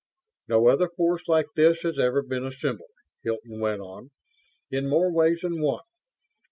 "No other force like this has ever been assembled," Hilton went on. "In more ways than one.